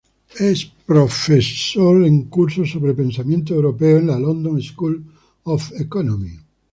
Es profesor en cursos sobre pensamiento europeo, en la London School of Economics.